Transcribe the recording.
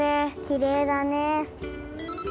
きれいだね。